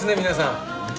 皆さん。